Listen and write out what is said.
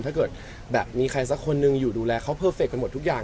ถ้าเกิดแบบมีใครสักคนหนึ่งอยู่ดูแลเขาเพอร์เฟคกันหมดทุกอย่าง